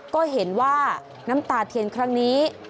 ก็เห็นว่าน้ำตาเทียนครั้งนี้